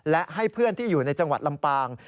และให้เพื่อนที่อยู่ในจังหวัดลำปาง